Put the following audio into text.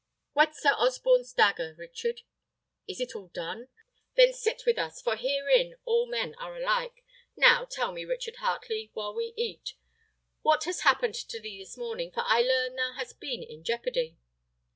Whet Sir Osborne's dagger, Richard. Is it all done? then sit with us, for herein are men all alike. Now tell me, Richard Heartley, while we eat, what has happened to thee this morning, for I learn thou hast been in jeopardy."